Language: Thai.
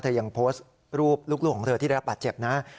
ยังโพสต์รูปลูกของเธอที่ได้รับบาดเจ็บนะ